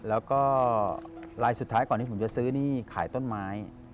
แล้วก็ลายสุดท้ายก่อนที่ผมจะซื้อนี่ขายต้นไม้